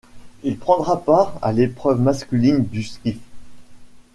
Il prendra part à l'épreuve masculine du skiff.